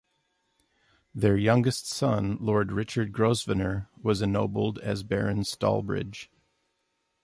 Their youngest son Lord Richard Grosvenor was ennobled as Baron Stalbridge.